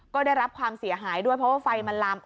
ก็ได้รับความเสียหายด้วยเพราะว่าไฟมันลาม